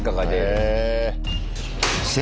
へえ。